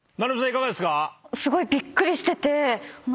いかがですか？